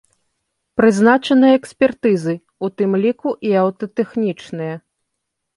Прызначаныя экспертызы, у тым ліку і аўтатэхнічныя.